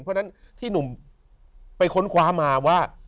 เพราะฉะนั้นที่หนุ่มไปค้นคว้ามาว่า